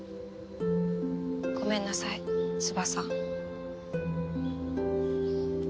ごめんなさい翼。